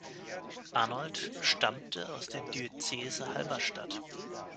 Arnold stammte aus der Diözese Halberstadt.